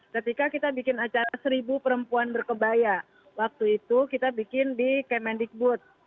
ketika kita bikin acara seribu perempuan berkebaya waktu itu kita bikin di kemendikbud